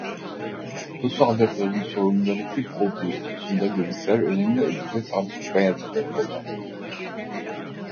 Bu saldırıların sorumluları kim olduğu konusundaki görüşler önemli ölçüde tartışmaya sebep olmaktadır.